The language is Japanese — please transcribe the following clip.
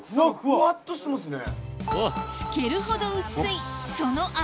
ふわっとしてますね。